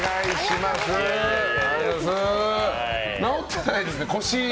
治ってないですね、腰。